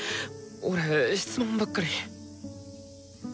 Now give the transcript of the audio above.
俺質問ばっかり！